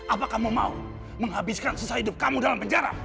apa kamu mau menghabiskan sisa hidup kamu dalam penjara